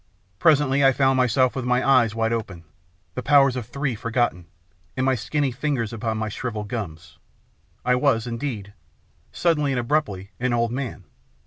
Presently I found myself with my eyes wide open, the powers of three forgotten, and my skinny ringers upon my shrivelled gums. I was, indeed, suddenly and abruptly, an old man.